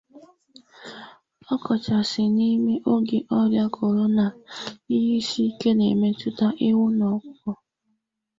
ọkachasị n'ime oge ọrịa korona a ihe isi ike na-emetụta ewu na ọkụkọ.